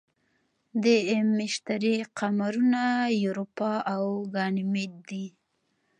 د مشتری قمرونه یوروپا او ګانیمید دي.